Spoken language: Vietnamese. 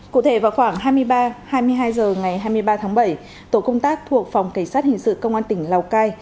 cụ thể vào khoảng hai mươi ba hai mươi hai h ngày hai mươi ba tháng bảy tổ công tác thuộc phòng cảnh sát hình sự công an tỉnh lào cai